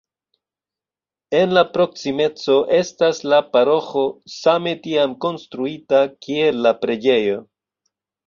En la proksimeco estas la paroĥo, same tiam konstruita, kiel la preĝejo.